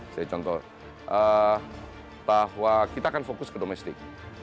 saya contoh bahwa kita akan fokus ke domestik